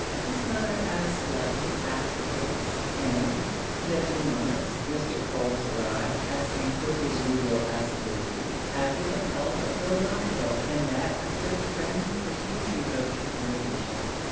His mother asked slightly after his; and, in a few moments, Mr. Crofts arrived, asking, with his usual assiduity, after the health of Lord Montreville and that of such friends as usually wrote to her Ladyship?